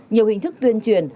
nhiều hình thức tuyên truyền